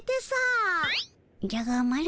じゃがマロ